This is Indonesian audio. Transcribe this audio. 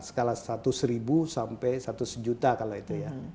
skala satu sampai satu kalau itu ya